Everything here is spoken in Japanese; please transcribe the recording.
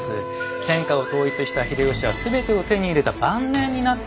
天下を統一した秀吉は全てを手に入れた晩年になって。